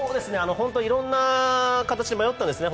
いろいろな形で迷ったんですね。